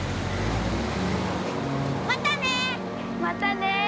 またね！